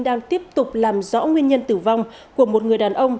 đang tiếp tục làm rõ nguyên nhân tử vong của một người đàn ông